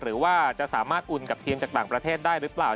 หรือว่าจะสามารถอุ่นกับทีมจากต่างประเทศได้หรือเปล่า